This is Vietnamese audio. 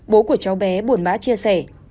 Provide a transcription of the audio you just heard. bố của cháu bé bổn bã chia sẻ